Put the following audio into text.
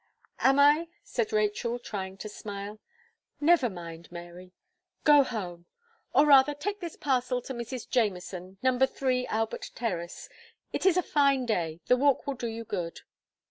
"Am I?" said Rachel, trying to smile, "never mind, Mary; go home or, rather, take this parcel to Mrs. Jameson, number three, Albert Terrace. It is a fine day the walk will do you good."